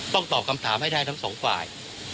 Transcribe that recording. ตอบคำถามให้ได้ทั้งสองฝ่าย